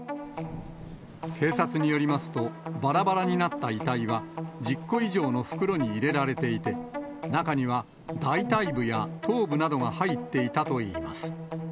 警察によりますと、ばらばらになった遺体は、１０個以上の袋に入れられていて、中には大たい部や頭部などが入っていたといいます。